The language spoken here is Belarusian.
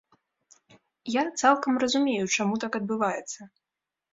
Я цалкам разумею, чаму так адбываецца.